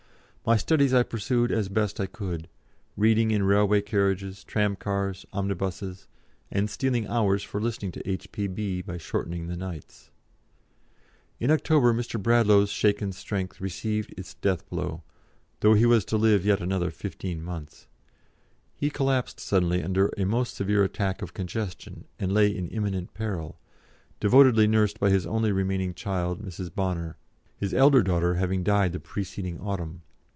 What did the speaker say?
My studies I pursued as best I could, reading in railway carriages, tramcars, omnibuses, and stealing hours for listening to H.P.B. by shortening the nights. In October, Mr. Bradlaugh's shaken strength received its death blow, though he was to live yet another fifteen months. He collapsed suddenly under a most severe attack of congestion and lay in imminent peril, devotedly nursed by his only remaining child, Mrs. Bonner, his elder daughter having died the preceding autumn.